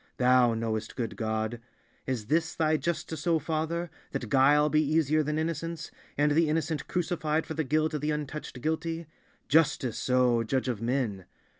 Thou knowest, good God! Is this Thy justice, O Father, that guile be easier than innocence, and the innocent crucified for the guilt of the untouched guilty? Justice, O judge of men!